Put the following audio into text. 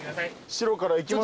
白からいきます？